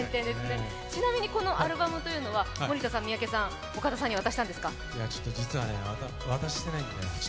ちなみにこのアルバムは森田さん、三宅さん、岡田さんには渡したんですか？